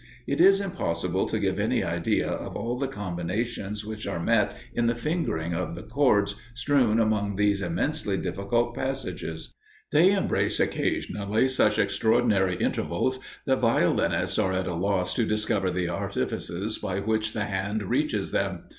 It is impossible to give any idea of all the combinations which are met in the fingering of the chords strewn among these immensely difficult passages; they embrace occasionally such extraordinary intervals, that violinists are at a loss to discover the artifices by which the hand reaches them.